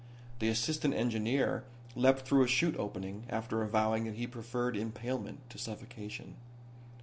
The assistant engineer leapt through a 'chute opening, after avowing that he preferred impalement to suffocation.